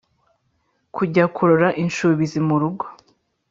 Kujya kurora incubizi mu rugo!